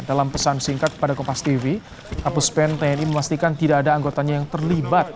dalam pesan singkat kepada kompas tv apuspen tni memastikan tidak ada anggotanya yang terlibat